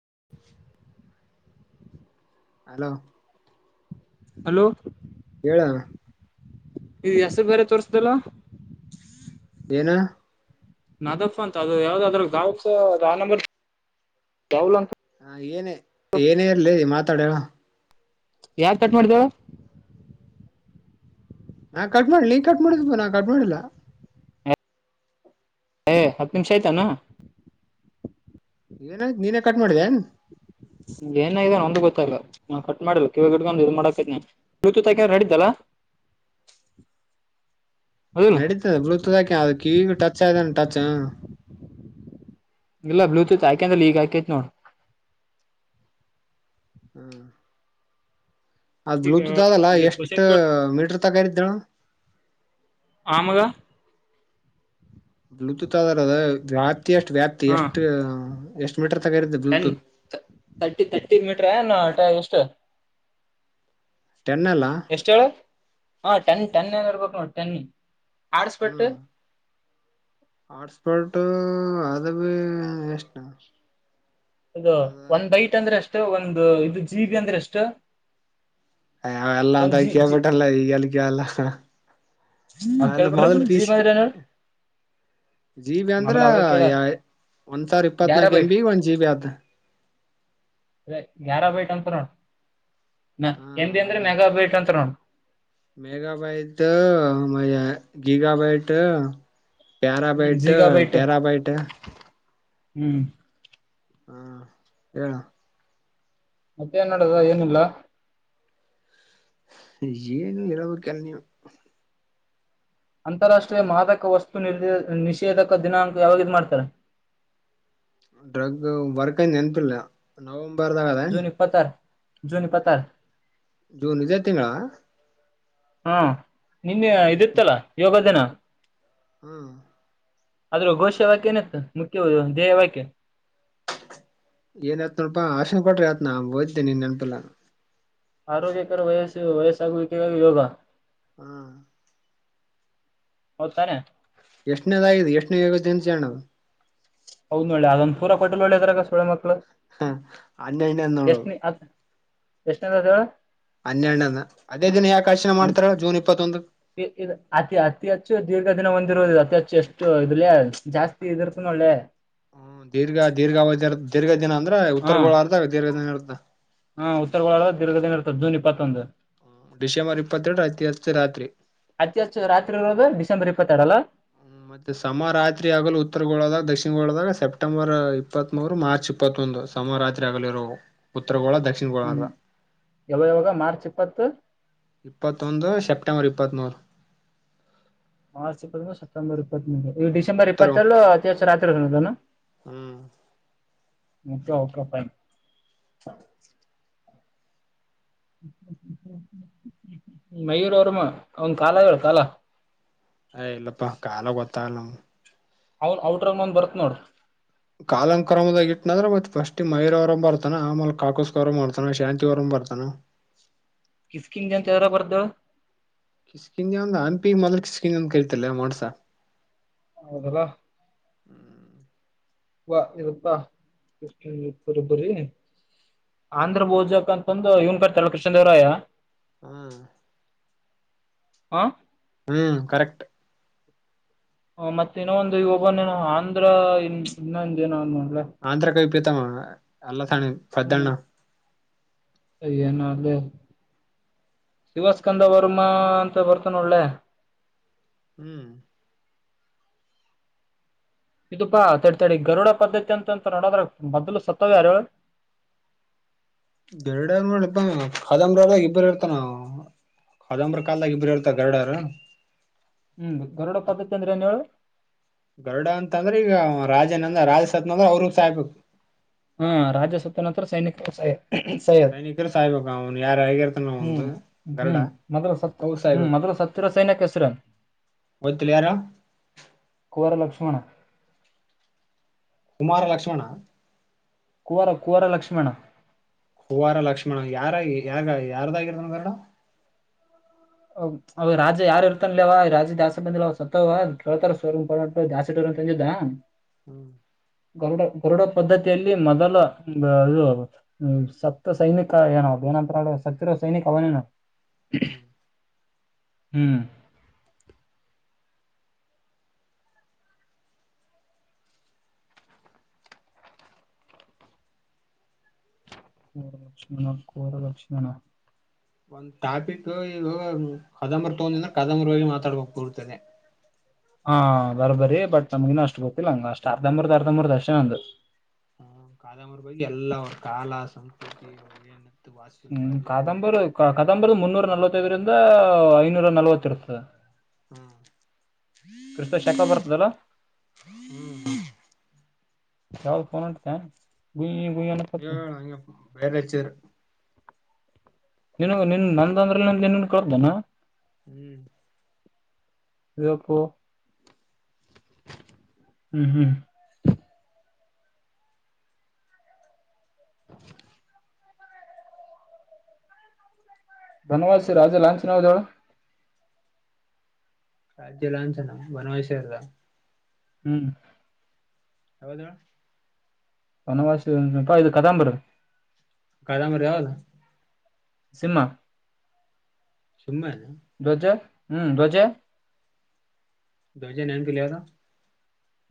[inaudible] Hello hello ಹೇಳ ಈ ಹೆಸರು ಬೇರೆ ತೋರ್ಸ್ದಲ್ಲ ಏನು ನದಫ ಅಂತ ಅದು ಯಾವ್ದ ಅದ್ರ ಗಾವ ನ ಗಲ್ ಅಂತ ಹಾ ಏನೇ ಏನೇ ಇರ್ಲಿ ಮಾತಾಡ ಯಾರ್ ಕಟ್ ಮಾಡಿದಾವ ನಾ ಕಟ್ ಮಾಡಿಲ್ಲ ನೀ ಕಟ್ ಮಾಡ ನಾ ಕಟ್ ಮಾಡಿಲ್ಲ ಏ ಹತ್ತು ನಿಮಿಷ ಆಯ್ತಾನ ಏನ ನೀನೇ ಕಟ್ ಮಾಡಿದೆೇನ್ ಏನಾನ ಒಂದ ಗೊತ್ತಾಗಲ್ಲ ನಾ ಕಟ್ ಮಾಡಲ್ಲ ಕಿವ ಗಿಡ್ ಇ ಮಾಡಕೈನ ಬ್ಲೂತೂತ್ ಹಾಕ ರೆ ಇದಿದ್ದಲ್ಲಾ [inaudible] ನಡೀತದೆ ಬ್ಲೂಟೂತ್ ಹಾಕ ಅ ಕಿವ ಟಚ್ ಆಯತಾನ ಟಚ್ ಇಲ್ಲ ಬ್ಲೂಟೂತ್ ಆಯ್ಕಂದ್ರ ಈಗ ಆಯಕೈತ್ ನೋಡ್ ಹ್ಮ್ ಅದ್ ಈಗ ಬ್ಲೂಟೂತ್ ಆದಲ್ಲ ಒಂದಿಷ್ಟ್ ಎಷ್ಟ ಕ್ವಶನ್ ಕೇಳ್ ಮೀಟರ್ ತಗಾರಿದ್ದಳು ಆಮಗ ಬ್ಲೂಟೂತ್ ಆದಾರ ಅದ ವ್ಯಾಪ್ತಿ ಎಷ್ಟು ವ್ಯಾಪ್ತಿ ಎಷ್ಟು ಎಷ್ಟ ಟನ್ ತರ್ಟಿ ತರ್ಟಿ ಮೀಟ್ರ ನಟ ಎಷ್ಟ ಟೆನ್ ಅಲ್ಲ ಎಷ್ಟ ಹೇಳ ಹಾ ಟೆನ್ ಟೆನ್ ಏನ ಇರ್ಬೇಕು ನೋ ಟೆನ್ನಿ ಆಡ್ಸ್ಪಟ್ಟು ಹಾಟ್ಸ್ಪಾಟು ಅವ ಇಷ್ಟ ಅದು ಒಂದ್ ಬೈಟ್ ಅಂದ್ರೆ ಅಷ್ಟು ಒಂದು ಇದು ಜಿ ಬಿ ಅಂದ್ರೆ ಎಷ್ಟು ಅ ಎಲ್ಲಾ ಒಂದ್ ಜಿ ಜಿ ತಕಪಟ್ಟಲ್ಲ ಈ ಕಲಿ ಎಲ್ಲ ಅ ಅವ್ ಅಲ್ಲ ಕೇಳ್ಬಿಟ್ರ ಬಿಡ ಮೊದಲ್ ಪೀಸ ಜೀಮ್ ಅಂದ್ರ ಏನ ಜಿ ಬಿ ಅಂದ್ರ ಮೊದಲ ಅವೇ ಕೇಳ್ಯಾರ ಒಂದ್ ಸಾವಿರ ಇಪ್ಪತ್ನಾಕು ಎಮ ಬಿ ಒಂದ್ ಜಿ ಬಿ ಅದು ಅದೇ ಗ್ಯಾರಾ ಬೈಟ್ ಅಂತ ನೋಡ ಹಾ ಎಂದ ಅಂದ್ರೆ ಮೆಗಾ ಬೈಟ್ ಅಂತರ ಮೇಗಾ ಬೈಟ್ ಮ ಗಿಗಾ ಬೈಟ್ ಹ್ಮ್ ಪ್ಯಾರಾಬೈಟ್ ಜೀಗಾಬೈಟ್ ಟರಾಬೈಟ್ ಹ್ಮ್ ಹಾ ಹೇಳು ಮತ್ತೆ ಏನ್ ನೆಡದ ಏನಿಲ್ಲ ಏನು ಇರವ ಕೆಣ ಅಂತಾರಾಷ್ಟ್ರೀಯ ಮಾದಕ ವಸ್ತು ನಿ ನಿಷೇಧಕ ದಿನಾಂಕ ಯಾವಾಗಿದ ಮಾಡ್ತಾರೆ [inaudible] ಡ್ರಗ್ ವರ್ಕ್ ನೆನಪಿಿಲ್ಲ ನಾ ಜೂನಿ ಇಪ್ಪತ್ತಾರು ಜೂನ ಇಪ್ಪತ್ತಾರು ಜೂನ್ ಇದೆೇ ತಿಂಗಳ ಹಾ ನಿನ್ ಇದೀತಾಲಾ ಯೋಗ ದಿನ ಹೂ ಆದ್ರೂ ಘೋಷ ವಾಕ್ಯ ಏನತ್ತು ಮುಖ್ಯವ ದಧ್ಯೇಯ ವಾಕ್ಯ ಏನ್ಯತ್ ನೋಡಪಾ ಆಶನ್ ಕೊಟ್ರಿ ಆತ್ ನಾ ಓಯ್ತೇನೆ ನೀನ್ ನೆನಪಿಲ್ಲ ಆರೋಗ್ಯಕರ ವಯಸ್ಸ ವಯಸ್ಸಾಗ ಯೋಗ ಹೂ ಹೌದು ತಾನೆ ಯಷ್ಣು ಅದು ಯಷ್ಣು ಯೋಗ ಜನಿಸಣ ಹೌದ್ ಒಳ್ಳೆ ಅದೊಂದ ಪೂರ ಹೋಟಲ್ ಒಳ್ಳೆದಾಗ ಸೋೊಳ್ಳೆ ಮಕ್ಳ ಹ ಅವ್ನ ಎಲ್ಲೆ ಇದಾನೆ ನೋಡು ಎಷ್ಟ ಎಂತದೇವ ಹನ್ನೆರಡನಂದ ಅದೇ ದಿನ ಯಾಕೆ ಅರ್ಚಣೆ ಮಾಡ್ತಾರ ಜೂನ್ ಇಪ್ಪತ್ತೊಂದು ಇ ಅತಿ ಅತಿ ಹೆಚ್ಚು ದೀರ್ಘ ದಿನ ಹೊಂದಿರುವುದು ಅತಿ ಹೆಚ್ಚು ಎಷ್ಟು ಇದಲ್ಲಿ ಜಾಸ್ತಿ ಇದಿರ್ತ ನೋಡೆ ಹೂ ದೀರ್ಘ ದೀರ್ಘಾವಧಿ ದೀರ್ಘ ದಿನ ಅಂದ್ರೆ ಹಾ ಉತ್ತರ ಗೋಳ ಅರ್ದಾಗ ದೀರ್ಘ ದಿನ ಇರು್ದ ಹಾ ಉತ್ತರ ಗೋಳ ದೀರ್ಘದಿನ ಇರ್ತದೆ ಜೂನ್ ಇಪ್ಪತ್ತೊಂದು ಡಿಸೆಂಬರ್ ಇಪ್ಪತ್ತೆರಡು ಐತಿ ರಾತ್ರಿ ಅತಿ ಹೆಚ್ಚು ರಾತ್ರಿದ ಡಿಸೆಂಬರ್ ಇಪ್ಪತ್ತೆರಡ ಅಲ್ಲ ್ಮ ಮತ್ತೆ ಸಮ ರಾತ್ರಿ ಆಗಲು ಉತ್ತರ ಗೋಳದಾಗ ದಕ್ಷಿಣ ಗೋಳದಾಗ ಸೆಪ್ಟೆಂಬರ್ ಇಪ್ಪತ್ತ್ ಮೂರು ಮಾರ್ಚ್ ಇಪ್ಪತ್ತ್ ಸಮ ರಾತ್ರಿ ಆಗಲಿರ ಉತ್ತರ ಒಳ ಹೂ ಯಾವಾಗ ಯಾವಾಗ ಮಾರ್ಚ್ ಇಪ್ಪತ್ತು ಇಪ್ಪತ್ತೊಂದು ಸೆಪ್ಟೆಂಬರ್ ಇಪ್ಪತ್ಮೂರು ಮಾರ್ಚ್ ಇಪ್ಪತ್ತಂದು ಸೆಪೆಂಬರ್ ಇಪ್ಪತ್ಂದು ಈ ಹ್ಮ್ ಡಿಸೆಂಬರ್ ಇಪ್ಪತ್ತೆರು ಅತಿಾಸ ರಾತ್ರಿ ಇರ್ತಲಾ ಹೂ ಮುಖ ಹಕ ಮಯೂರ ಅವರಮ್ಮ ಅವನ್ ಕಾಲ ಹೇಳ ಕಾಲ ಹ್ ಇಲ್ಲಪ್ಪ ಕಾಲ ಗೊತ್ತಾಗಲ್ಲ ಅವನ್ ಔಟ್ರಾಗ ನಂದ ಬರತ್ ನೋಡ್ ಕಾಲಂ ಕ್ರದಾಗ ಇಟ್ಟನಂದ್ರೆ ಮತ್ ಫಸ್ಟ್ ಮೈರ ಅವರ ಬರ್ತಾನ ಆಮೇಲೆ ಕಾಕಸ್ ಅವರ ಮಾಡ್ತಾನ ಶಾಂತಿವರ ಬರ್ತಾನ ಕಿಸಕಿನ್ ಅಂತ ಅದ್ರಲ್ಲಿ ಬರ್ತತಿ ಹೇಳು ಕಿಸ್ಕನ್ಿ ಹಂಪಿ ಅನ್ಪಿ ಮೊದ್ಲು ಕಿಸ್ಕನ್ಿ ಅಂದ ಕೇಳ್ತಲ್ಲ ಮೋಡ್ಸ ಹೌದಲ್ಲಾ ವಾ ಇರುತ್ತಾ ಕಷ ಬರಬ್ಬ್ರರಿ ಆಂಧ್ರ ಭೋಜಕ್ ಅಂತಂದು ಇವನ್ಕರ್ ತಳ ಕೃಷ್ಣ ದೇವರಾಯ ಹೂ ಹಾ ಹೂ ಕರೆಕ್ಟ್ ಹ ಮತ್ತೆ ಇನೊ ಒಂದು ಇ ಒಬ್ಬನನ ಆಂಧ್ರ ಇ ಇನ್ನೊಂದ ಏನೋ ಆಂಧ್ರ ಕವಿ ಪ್ರೀತ ಅಲ್ಲಥಾನ ಪದ್ದಣ್ಣ ಯನಲ್ಲೆ ಶಿವಸ್ಕಂದ ವರ್ಮ ಅಂತ ಬರ್ತಾನ ಒಳ್ಳೆ ಹೂ ಇದುಪಾ ತದ್ ತಡಿ ಗರುಡ ಪದ್ದತಿ ಅಂತ್ ಅಂತರ್ ನೋಡದ್ರ ಮೊದಲು ಸತ್ತವ ಯಾರು. [unintelligible] ಗರುಡ ನೋಡಿ ಪ ಕಾದಂಬರಿದಾಗ ಇಬ್ಬರು ಇರ್ತ ನಾವು ಕಾದಂಬ್ರ ಕಾಲದಾಗ ಇಬ್ಬರು ಇರ್ತ ಹ್ಮ್ ಗರುಡ ಪದ್ದತಿ ಅಂದ್ರ ಏನ್ ಹೇಳ್ ಗರುಡ ಅಂತ್ ಅಂದ್ರೆ ಈಗ ರಾಜನ್ ಅಂದ್ರ ರಾಜ ಸತ್ ಅಂದ್ರೆ ಅವರುೂ ಸಾಯ್ಬೇಕು. ಹಾ ರಾಜಸತ್ತ ನಂತ್ರ ಸೈನಿಕ್ ಸೈ [unintelligible] ಸೈನಿಕರು ಸಾಯ್ಬೇಕು ಅವ್ನು ಯಾರ ಆಗಿರ್ತಾನ ಹ್ಮ್ ಒಂದು ಗರುಡ ಹ್ಮ್ ಮೊದಲ ಸತ್ ಅವು ಹ್ಮ್ ಸಾಯ್ಬೇಕು ಮೊದಲ್ ಸತ್ತಿರೊ ಸೈನಕ್ ಹೆಸ್ರೇನ್ ಗೊತ್ತಿಲ್ಲ ಯಾರ [unintelligible] ಲಕ್ಷ್ಮಣ. ಕುಮಾರ ಲಕ್ಷ್ಮಣ. ಕುವರ ಕುವರ ಲಕ್ಷ್ಮಣ. ಕುವಾರ ಲಕ್ಷ್ಮಣ ಯಾರ ಯಾರ ಯಾರ್ದಾಗಿರ್ದಂಗಲ್ಲ ಅವ ರಾಜ ಯಾರ ಇರ್ತನ್ಲೆ ಅವ ರಾಜ ಜಾಸ್ತಿ ಬಂದಿಲ್ಲ ಅವ ಸತ್ತವ ಕೇಳ್ತಾರ ಸೋ ಜಾಸ್ತಿ [unintelligible] [unintelligible] ಹ್ಮ್ [inaudible] ಗರುಡ ಗರುಡ ಪದ್ಧತಿಯಲ್ಲಿ ಮೊದಲ ಅದು ಸತ್ತ ಸೈನಿಕ ಏನ್ [unintelligible] ನಂತರ ಸತ್ತಿರ ಸೈನಿಕ ಅವನೇನ. ಹ್ಮ್ ಹ್ಮ್ ಹ್ಮ್ [unintelligible] ಕುವರ ಲಕ್ಷ್ಮಣ. ಒಂದ್ ಟಾಪಿಕ್ ಈಗ ಕದಂಬರ್ ತಗೊಂಡಂದ್ರೆ ಕದಂಬರೋಗಿ ಮಾತಾಡ್ಬೇಕ್ ಪೂರ್ತಿ ಅದೆ. [inaudible] ಹಾ ಬರ್ ಬರಿ ಬಟ್ ನಮಗಿನ್ ಅಷ್ಟು ಗೊತ್ತಿಲ್ಲ ಹಂಗ ಅಷ್ಟ್ ಅರ್ಧಂಬರ್ದ ಅರ್ಧಂಬರ್ದ ಅಷ್ಟೇ ನಂದು. ಹ ಕಾದಂಬರಿ ಬಗ್ಗ್ ಎಲ್ಲಾ ಅವ್ರ ಕಾಲ ಸಂಸ್ಕೃತಿ ಅವ್ರ ಏನಿತ್ತು ವಾಸ್ಶಿಲ್ಪ ಹ್ಮ್ ಎಲ್ಲಾ ಕಾದಂಬರಿ ಒ ಕಾದಂಬರಿ ಮುನ್ನೂರ ನಲವತ್ತೈದರಿಂದ ಐನೂರ ನಲ್ವತ್ ಇರ್ತ ಹಾ ಕ್ರಿಸ್ತ ಶಾಖಾ ಬರ್ತ್ ಯಾವಾಗ್ ಹೊಂಡ್ತ್ಯ ಗುಯ್ ಗುಯ್ ಅನ್ನಕತ್ತ ದೇವ್ರ್ ಅಯ್ಯಪ್ಪ ಬೇರೆ ಚೇರ್ ನಿನಗು ನಿನ್ ನಂದ್ ಅಂದ್ರ ನಿನ್ನ್ [unintelligible] ಹ್ಮ್ [unintelligible] ಕು ಹ್ಮ್ ಹ್ಮ್ [inaudible] ಬನವಾಸಿ ರಾಜ ಲಾಂಛನ ಯಾವ್ದ್ ಹೇಳ್ ರಾಜ್ಯ ಲಾಂಛನ ಬನವಸಿ ಅಲ್ಲ ಹ್ಮ್ ಯಾವ್ದ್ ಹೇಳ್ ಬನವಾಸಿ [unintelligible] ಇದು ಕದಂಬರ್ ಕದಂಬರರ್ ಯಾವ್ದ್ ಸಿಂಹ ಸಿಂಹನ ಧ್ವಜ ಹ್ಮ್ ಧ್ವಜ ಧ್ವಜ ನೆನ್ಪಿಲ್ಲ್ ಯಾವ್ದ್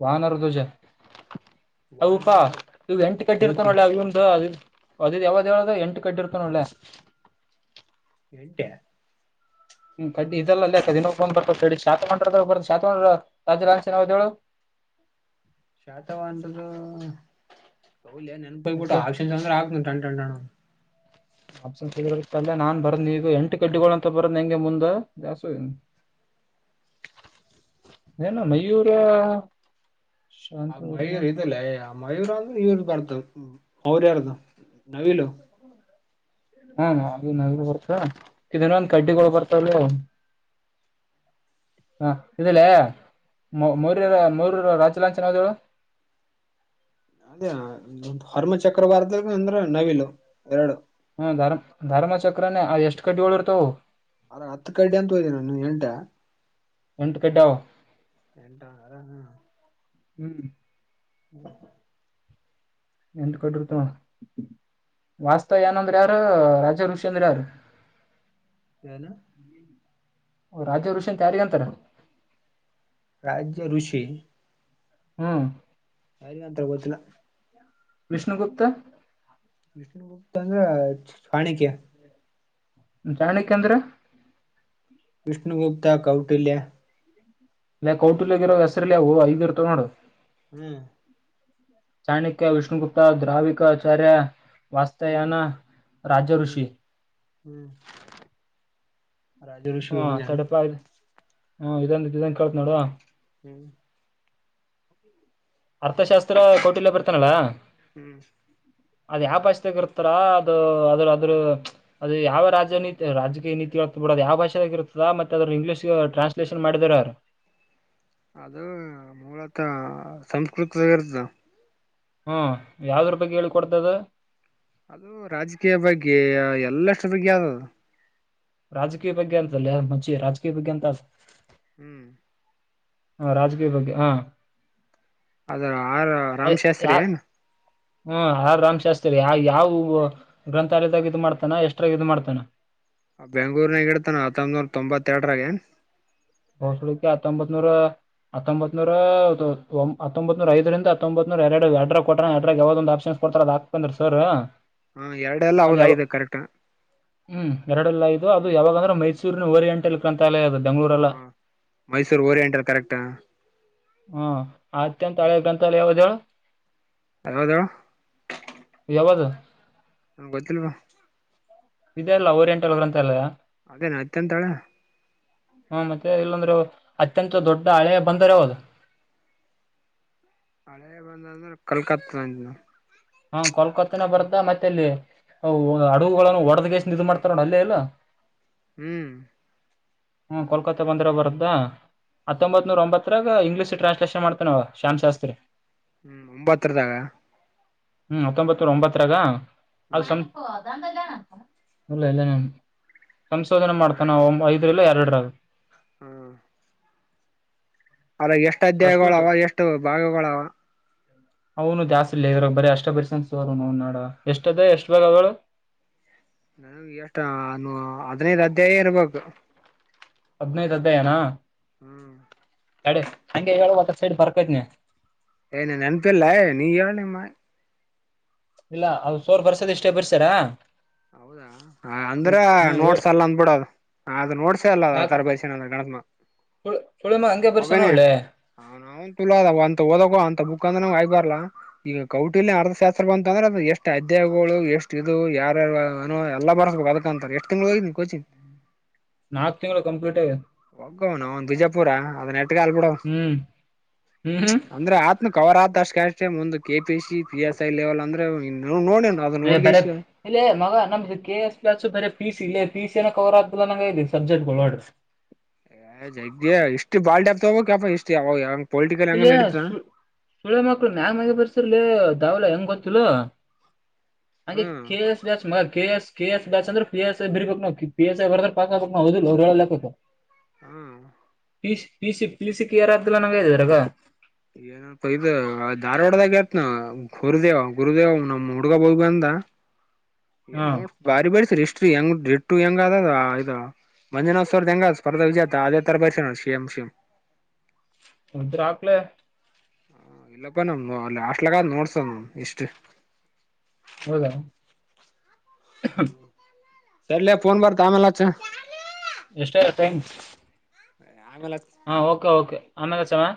ವಾನರ ಧ್ವಜ ವಾನರ ಹೌಪಾ ಅಂದ್ರ ಇವು ಎಂಟ್ ಕಡ್ಡಿ ಇರ್ತವ್ ಕೋತಿ ನೋಡ್ಲೆ ಅವ್ ಇವ್ನ್ದು ಅದು ಯಾವ್ದ ಯಾವ್ದ ಎಂಟು ಕಡ್ಡಿ ಇರ್ತಾವ್ ನೋಡ್ಲೆ ಎಂಟೆ ಹ್ಮ್ ಕಡ್ಡಿ ಇದೆಲ್ಲ ದಿನಂದ ಬರ್ತ [unintelligible] ರಾಜದನಿ ಹೆಸ್ರ್ ಯಾವ್ದ್ ಹೇಳು [inaudible] ಶಾತವಂದುದು ಹೌಲೆ ನೆನ್ಪ್ ಹೋಗ್ ಬಿಟ್ಟವ್ ಅಲ್ಲೇ ಆಷ [unintelligible] ಟಣ್ ಟಣ್ ಟಣ್ [unintelligible] ನಾನ್ ಬರಂದ್ ಈಗ ಎಂಟು ಕಡ್ಡಿಗಳ ಅಂತ ಬರಂದ್ ಹೆಂಗೆ ಮುಂದ ಜಾಸೋ ನಏನು ಮಯೂರ ಆ ಶಾಂತ ವರ್ಮ ಮಯೂರ್ ಇದಲ್ಲೇ ಆ ಮಯೂರ್ ಅಂದ್ರೆ ಇವ್ರ ಬರ್ತ ಅವ್ರ್ಯಾರ್ದು ಹೌ ಹಾ ನ ನ ಬರ್ತ ಇದನ್ನ ಒಂದ ಕಡ್ಡಿಗಳು ಬರ್ತಾವಲ್ಲ ಹ ಇದಲ್ಲೇ ಮ ಮರ ಮರ ರಾಜಲಾಂಚನ್ ಹದಳು ಅದೇ ಹರ್ಮಚಕ್ರವರ್ದ ಅಂದ್ರೆ ನವಿಲು ಎರಡು ಹ್ಮ ಧರ್ಮ ಧರ್ಮ ಚಕ್ರನೇ ಎಷ್ಟ್ ಕಡ್ಡಿ ಳ ಇರ್ತಾವ ಅರ ಹತ್ತು ಕಡ್ಡಿ ಅಂತ ಹೋದ ನಾನು ಎಂಟ ಒಂಟು ಕಡಾವ ಎಟಾ ಅರ ಹ್ಮ್ ಹ್ಮ್ ಎಂತ ಕಡರು ತ ವಾಸ್ತವ್ಯಾನಂದ್ರ ಯಾರ ರಾಜಾ ಋಷಂದ್ರ ಯಾರ ಯನು ಓ ರಾಜ್ಯ ಋಷತ್ ಯಾರಿಗೆ ಅಂತಾರೆ ರಾಜ್ಯ ಋಷಿ ಹ್ಮ ಂತರಗೋಜಲ ವಿಷ್ಣುಗುಪ್ತ ಹೋಗತಂದ್ರ ಹಾಣಿಕ್ಯ ಜಾಣಿಕ ಅಂದ್ರೆ ವಿಷ್ಣುಗುಪ್ತಾ ಕೌಟಿಲ್ಲಯ ಇಲ್ಲ ಕೌಟಿಲ್ಗಿರೋ ಹೆಸ್ರಲ್ಲ ಹ ಐದ ಇರ್ತವ ನೋಡು ಹ್ಮ್ ಚಾಣಕ್ಯ ವಿಷ್ಣುಗುಪ್ತಾ ದ್ರಾವಿಕ ಆಚಾರ್ಯ ಹ್ಮ್ ವಾಸ್ತಯನ ಹ್ಮ್ ರಾಜಋಷಿ ಹ್ಮ್ ರಾಜ ಋಷಿ ಹ್ಮ ಅವನ್ಯಾನು ತಡಪ ಹ್ಮ ಇದಂದ ಇದನ್ ಕೇಳತ್ ನೋಡ ಹ್ಮ್ ಅರ್ಥಶಾಸ್ತ್ರ ಕೋಟಿಲ್ಲ ಬರ್ತಾನಲ್ಲ ಹ್ಮ್ ಅದ್ ಯಾವ ಪಾಸ್ತಿಗ ಇರ್ತಾರ ಅದು ಅದ್ರ ಅದ್ರ ಅದು ಯಾವ ರಾಜನತಿ ರಾಜಕೀಯ ನೀತಿಗಳು ಕೂಡದ ಯಾವ ಭಾಷೆಗ ಇರ್ತದ ಮತ್ತೆ ಅದರು ಇಂಗ್ಲಿಷ್ ಟ್ರಾನ್ಸ್ಲೇಷನ್ ಮಾಡಿದರರು ಅದು ಮೂಲತ ಸಂಸ್ಕತಗರ್ತದ ಹ್ಮ ಯಾವ್ದ್ರ ರೂಪಾಯಗೆ ಹೇಳಿ ಕೊಡ್ತದ ಅದು ರಾಜಕೀಯ ಬಗ್ಗೆ ಎಲ್ಲಷ್ಟ್ರ ಬಗ್ಗೆ ಯಾವ್ದದು ರಾಜಕೀಯ ಬಗ್ಗೆ ಅಂತಲ್ಲ ಮಚಿ ರಾಜಕೀಯ ಬಗ್ಗೆ ಎಂತ ಹ್ಮ್ ಹ ರಾಜಗೀಯ ಬಗ್ಗೆ ಹಾ ಅದ್ರ ಆರ ರಾಮಶಾಸ್ರಿ ಯಾ ಏನು ಹ್ಮ್ ಆ ರಾಮ್ಶಾಸ್ತ್ರಿ ಯಾವ ಯಾವ ಗ್ರಂಥಾಲಯದಾಗ ಇ ಮಾಡ್ತಾನ ಎಷ್ಟ್ರಾಗ ಇ ಮಾಡ್ತಾನ ಆ ಬೆಂಗಳೂರ್ನಾಗ ಇಡ್ತಾನ ಹತ್ತೊಂಬನೂರ ತೊಂಬತ್ತೆರಡರಾಗ ಹಸಳಕ್ಕೆ ಹತ್ತೊಂಬತ್ ನೂರ ಹತ್ತೊಂಬತ್ನೂರ ಒ ಹತ್ತೊಂಬತ್ರ ಐದರಿಂದ ಹತ್ತೊಂಬತ್ರ ಎರಡು ಎಡರ ಕೊಟ್ರ ಎರಡ್ರಾಗ ಯಾವ್ದ ಒಂದು ಆಪ್ಷನ್ ಕೊಡ್ತಾರ ಅದ್ ಹಾಕ್ ಬಂದ್ರ ಸರ್ ಹ ಎರಡೆಲ್ಲ ಅದ ಹೌದ ಯಾವ ಐದು ಕರೆಕ್ಟ್ ಹ್ಮ್ ಎರಡೆಲ್ಲ ಇದು ಅದು ಯಾವಾಗ ಅ್ರಮೈಸೂರಿನ ರಿಯಂಟ್ಲ್ ಕಂತಾಲ ಅದು ಬೆಂಗಗಳೂರಲ್ಲ ಮೈಸೂರು ಓರಿಯಂಟಲ್ ಕರೆಕ್ಟಾ ಹ್ಮ ಅತ್ಯಂತ ಹಳೆ ಗ್ರಂಥಾಲ ಯಾವ್ದ ಹೇಳು ಯಾವಾವದ ಯಾವುದು ನಮ್ಗೆ ಗೊತ್ತಿಲ್ವಾ ಇದೆ ಅಲ್ಲ ಓರಿಯಂಟಲ್ ಗ್ರಂತ ಅಲ್ಲ ಹಾಗೇ ನಾಯತ ಅಂತಾಳ ಹ್ಮ ಮತ್ತೆ ಇಲ್ಲಾಂದ್ರೆ ಅತ್ಯಂತ ದೊಡ್ಡ ಹಳೆ ಬಂದರೆ ಹಾವದು ಹಳೆ ಬಂದ ಅಂದ್ರ ಕಲ್ಕತ್ತಂತ ಹಾ ಕಲ್ಕತ್ತನ ಬರ್ತಾ ಮತ್ತೆ ಅಲ್ಲಿ ಹಡಗುಗಳನ್ನು ಒಡದ್ಗೇಸ ಇದ ಮಾಡ್ತಾರ ನೋ ಅಲ್ಲೇ ಇಲ್ಲ ಹ್ಮ್ ಹ್ಮ ಕೋಲ್ಕತ್ತೆ ಬಂದರ ಬರುತ್ತಾ ಹತ್ತೊಂಬತ್ ನೂರ ಒಂಬತ್ತರಾಗ ಇಂಗ್ಲಷ ಟ್ರಾನ್ಸ್ಲೇಷನ್ ಮಾಡ್ತೇ ನಾವು ಶಾಮನ್ ಶಾಸ್ತ್ರಿ ಹ್ಮ್ ಒಂಬತ್ತರದಾಗ ಹ್ಮ್ ಹತ್ತೊಂಬತರ ಒಂಬತ್ತರಾಗ ಅಪ ಹ್ಮ್ ಇಲ್ಲ ಇಲ್ಲ ನನ್ ಸಂಶೋಧನೆ ಮಾಡ್ತೇನ ಒ ಐದ್ರ ಇಲ್ಲ ಎರಡರ ಹ್ಮ್ ಅದ ಎಷ್ಟ ಅಧ್ಯಾಯಗಳ ಪ್ರಸ್ತುತ ಅವ ಎಷ್ಟು ಭಾಗಗಳ ಅವ ಅವನು ದಾಸ್ತಿಲಿ ಇದರಾಗ ಬರ ಅಷ್ಟ ಪರ್ಸನ್ ಸ ನಾಡ ಎಷ್ಟ ಅದ ಎಷ್ಟ್ ಬೇ ಅವಳು ಹ್ಮ ನನಗೆ ಎಷ್ಟ ಹದ್ನೈದು ಹದ್ನೈದು ಅಧ್ಯಾಯನಾ ಹ್ಮ್ ಎಡೆ ಹಂಗೆ ಹೇಳ ಒ ಸೈಡ್ ಬರ್ಕೋತಿನ್ ಏನ ನನ್ಪೇರ್ಲ್ಲ ನೀ ಯಳ ನಿಮ್ಮ ಇಲ್ಲ ಅ ಸೋರ್ ಬರ್ಸೋದ ಇಷ್ಟೇ ಬರ್ಸಾರಾ ಹೌದಾ ಅಂದ್ರ ಹೇಳ್ ನೋಡ್ಸಲ್ಲ ಅಂದಬಿಡದು ಅದ್ ನೋಡ್ಸೇ ಅಲ್ಲ ಆ ಯಾಕ ತರ ಬರಿಷನ ಅ ಗಣಸ ಸುಳ್ ಸುಳಿಮ ಹಂಗೆ ಬರ್ಸ್ಯಾನ ಮಗನ ನೋಡ್ಲೆ [unintelligible] ಅಂತ ಓದಕ್ಕೆ ಅಂತ ಮುಖಾಂದ್ರ ನ ಆಗಬಾರಲ್ಲಾ ಈಗ ಕೌಟಿಲಿ ಅರ್ಧಶಾಸ್ತ್ರ ಬಂತ ಅಂದ್ರೆ ಎಷ್ಟ್ ಅಧ್ಯಾಯಗಳು ಎಷ್ಟು ಇದು ಯಾರ ಏ ಎಲ್ಲ ಬರ್ಸ್ಬೇಕು ಅದಕ್ಕ ಅಂತ ಎಷ್ಟ್ ತಿಂಗ್ಳ ಹೋಗ್ನಿ ಕೋಚಿಂಗ್ ನಾಕ್ ತಿಂಗಳು ಕಂಪ್ಲೀಟ್ ಆಯ ಹೋಗೋನು ಅವ ಬೀಜಪುರ ಲ್ ಬಿಡ ಹ್ಮ್ ಹ್ಮ್ ಹ್ಮ್ ಅಂದ್ರೆ ಆತ್ನು ಕವರ್ ಆತ್ ಅಷ್ಟ ಅಷ್ಟೆ ಒಂದು K P C P S I level ಅಂದ್ರೆ ಇನ್ನು ಬರ ಇ ಮಗ ನಮ ಕೆ ಎಸ್ ಬರ ಸ್ ಇ ಪಿ ಸಿ ನ ಕವರ್ ಆಗ್ಲ್ಲ ನಂಗ ಇದೆ ಸಬ್ಜೆಕ್ಟ್ ಒ ಜಗ್ಗೆ ಇಷ್ಟು ಬಾಳ್ ಪ್ತೋಗಪ ಇಷ್ಟು ಯಾವಂಗ ಇಲ್ಲಯ [unintelligible] ಮ ಬರ್ಸರ್ಲ್ಲ ದಾವಲ ಹೆಂಗ ಅ ಹ್ಮ್ ಕಸ್ ಮಸ್ [unintelligible] ಕೆ ಎಸ್ ಬ್ಯಾಸ್ ಅಂದ್ರ ಪಿ ಎಸ್ಐ ಬಿರ್ಬೇಕಕ್ ನವು ಪಿ ಎಸ್ ಐ ಬರ್ ಪಾಕ್ ಬಕ್ವುದ ಹೇಳಾ ಹ್ಮ್ ಪಿ ಸಿ ಪಿಸಿ ಕ್ಲಿಯರ್ ಆಗ್ತಿಲ್ಲ ನಂಗ ಇದಾರಗ ಏನ ಇದು ಧಾರವಾಡದಾಗತ್ನ ಗುರುದೇವ ಗುರುದೇವ್ ನಮ್ಮ್ ಹುಡ್ಗ ಬೋಗ ಅಂದ [inaudible] ಏ ಹಾ ನೋಡ್ ಬಾರಿ ಬಸರಿ ಹಷ್ಟ್ಟ್ರಿ ಹೆಂಗ್ ಟ್ಟು ಹೆಂಗ್ ಅದದ ಇ ಮಂಜನ ಸ್ವರ್ಧ ಎಂಗ ಸ್ಪರ್ಧಾ ವಿಜೆತ ಆದೆ ತಾರ ಬರ್ಷ ಶೇಮ ಶೇಮ ಮದು್ರಲ [inaudible] ಇಲ್ಲಪ್ಪ ನಮ್ ಅಲ್ಲಿ ಆಟ್ಲಕ್ಕಾದ್ ನೋಡ್ಸ ನಮ್ ಇಷ್ಟ ಹೌದಾ ಸರ್ಲಯ ಫೋನ್ ಬರ್ತಾ ಆಮೇಲೆಚ್ಚ ಎಷ್ಟ ಆದ ಟೈಮ್ ಆಮೇಲೆ ಹಚ್ಚ ಹ ಓಕೆ ಓಕೆ ಅಮೇಲೆ ಅಚ್ಚಿನ